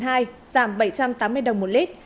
giảm bảy trăm tám mươi đồng một lít